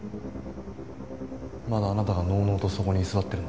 まだあなたがのうのうとそこに居座ってるので。